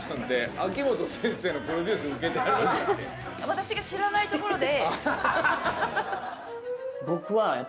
私の知らないところで。